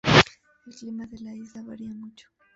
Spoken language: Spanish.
El clima de la isla varía mucho.